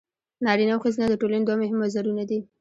نارینه او ښځینه د ټولنې دوه مهم وزرونه دي.